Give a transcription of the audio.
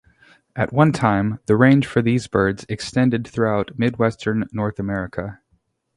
At one time, the range for these birds extended throughout midwestern North America.